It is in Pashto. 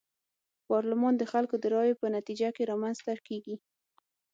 پارلمان د خلکو د رايو په نتيجه کي رامنځته کيږي.